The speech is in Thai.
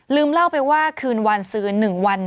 ลืมเล่าไปว่าคืนวันซื้อหนึ่งวัน